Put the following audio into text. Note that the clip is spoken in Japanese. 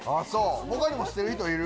他にも知ってる人いる？